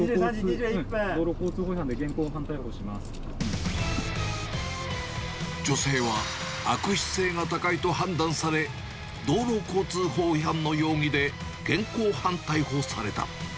道路交通法違反で現行犯逮捕女性は悪質性が高いと判断され、道路交通法違反の容疑で現行犯逮捕された。